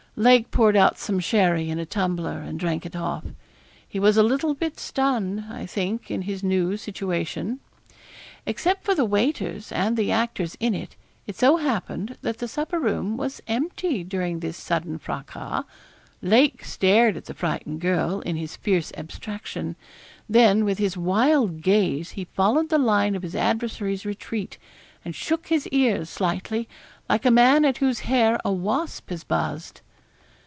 Lake poured out some sherry in a tumbler, and drank it off. He was a little bit stunned, I think, in his new situation. Except for the waiters, and the actors in it, it so happened that the supper room was empty during this sudden fracas. Lake stared at the frightened girl, in his fierce abstraction. Then, with his wild gaze, he followed the line of his adversary's retreat, and shook his ears slightly, like a man at whose hair a wasp has buzzed.